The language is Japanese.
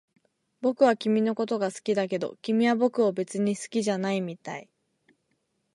僕は君のことが好きだけど、君は僕を別に好きじゃないみたい